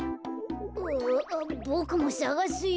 ああボクもさがすよ。